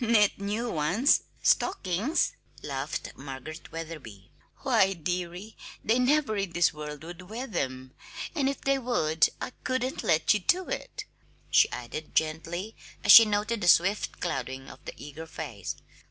"Knit new ones stockings!" laughed Margaret Wetherby. "Why, dearie, they never in this world would wear them and if they would, I couldn't let you do it," she added gently, as she noted the swift clouding of the eager face.